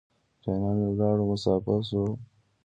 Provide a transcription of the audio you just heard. جانان مې ولاړو مسافر شو.